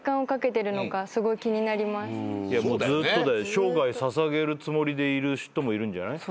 生涯捧げるつもりでいる人もいるんじゃない？